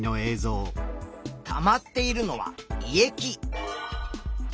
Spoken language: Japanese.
たまっているのは胃液。